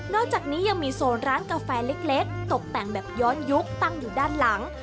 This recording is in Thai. อกจากนี้ยังมีโซนร้านกาแฟเล็กตกแต่งแบบย้อนยุคตั้งอยู่ด้านหลัง